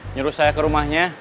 nyuruh saya ke rumahnya